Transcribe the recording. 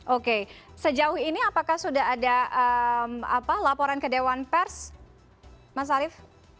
oke sejauh ini apakah sudah ada laporan ke dewan pers mas arief